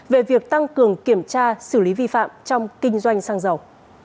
về việc tăng cường kiểm tra xử lý vi phạm trong kinh doanh sang giàu